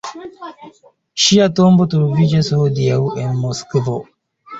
Ŝia tombo troviĝas hodiaŭ en Moskvo.